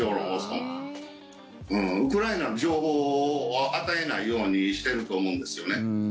ウクライナの情報を与えないようにしてると思うんですよね。